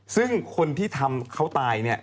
ซึ่งคนที่ทำเขาตายเนี่ย